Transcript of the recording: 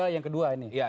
yang kedua ini